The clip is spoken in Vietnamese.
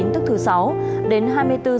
tức thứ sáu đến hai mươi bốn h